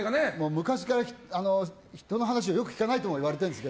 昔から人の話をよく聞かないって言われているんです。